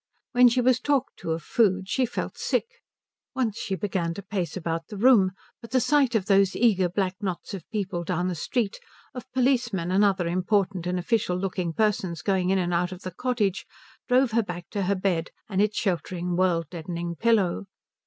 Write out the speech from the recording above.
When she was talked to of food, she felt sick. Once she began to pace about the room, but the sight of those eager black knots of people down the street, of policemen and other important and official looking persons going in and out of the cottage, drove her back to her bed and its sheltering, world deadening pillow.